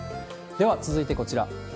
では続いてこちら。